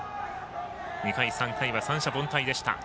２回、３回は三者凡退でした。